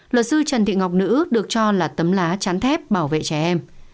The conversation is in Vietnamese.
luật sư trần thị ngọc nữ được cho là tấm lá chắn thép bảo vệ trẻ em